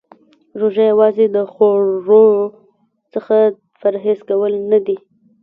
روژه یوازې د خوړو څخه پرهیز کول نه دی .